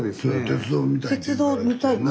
鉄道見たいって。